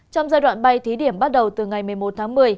trong giai đoạn bay thí điểm bắt đầu từ ngày một mươi một tháng một mươi